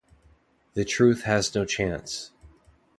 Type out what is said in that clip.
The truth has no chance.